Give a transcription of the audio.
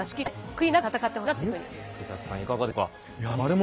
いかがですか？